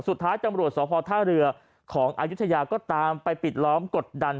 ตำรวจสพท่าเรือของอายุทยาก็ตามไปปิดล้อมกดดัน